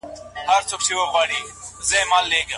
غوره برخلیک یوازي مستحقو ته نه سي ورکول کېدلای.